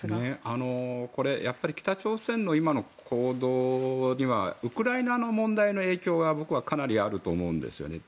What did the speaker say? これは北朝鮮の今の行動にはウクライナの問題の影響が僕はかなりあると思うんですね。